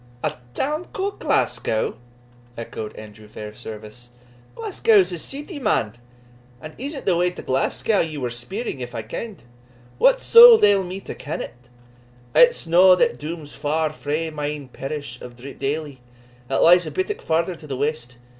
"A town ca'd Glasgow!" echoed Andrew Fairservice. "Glasgow's a ceety, man. And is't the way to Glasgow ye were speering if I ken'd? What suld ail me to ken it? it's no that dooms far frae my ain parish of Dreepdaily, that lies a bittock farther to the west.